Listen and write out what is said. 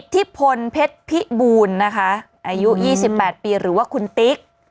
ที่พลเพชรพิบูลนะคะอายุ๒๘ปีหรือว่าคุณติ๊ก